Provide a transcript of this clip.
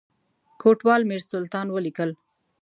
کوټوال میرسلطان ولیکل.